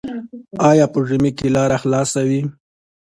آیا په ژمي کې لاره خلاصه وي؟